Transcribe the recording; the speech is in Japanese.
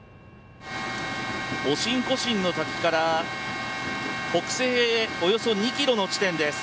オシンコシンの滝から北西へおよそ２ｋｍの地点です。